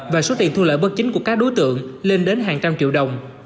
và số tiền thu lợi bất chính của các đối tượng lên đến hàng trăm triệu đồng